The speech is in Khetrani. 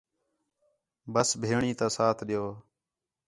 بس ہِیݨیں تا ساتھ ݙیؤ